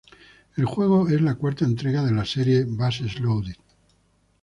El juego es la cuarta entrega de la serie "Bases Loaded".